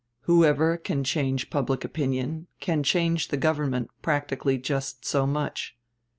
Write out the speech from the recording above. Whoever can change public opinion can change the government practically just so much.